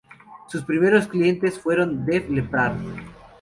Sus primeros clientes fueron Def Leppard.